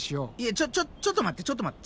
ちょちょちょっと待ってちょっと待って。